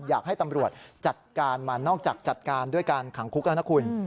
อยากให้ตำรวจจัดการมานอกจากจัดการด้วยการขังคุกแล้วนะคุณ